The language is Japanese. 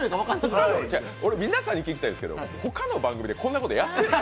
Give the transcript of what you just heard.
皆さんに聞きたいんですけど他の番組でこんなことやってるの？